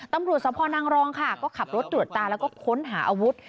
ตำรวจสภนางรองค่ะก็ขับรถตรวจตาแล้วก็ค้นหาอาวุธ